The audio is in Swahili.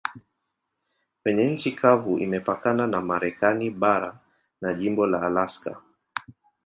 Kwenye nchi kavu imepakana na Marekani bara na jimbo la Alaska.